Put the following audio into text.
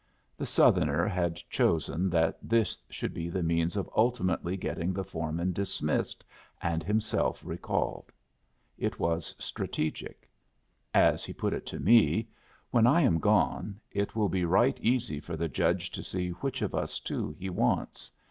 The Southerner had chosen that this should be the means of ultimately getting the foreman dismissed and himself recalled. It was strategic. As he put it to me: "When I am gone, it will be right easy for the Judge to see which of us two he wants.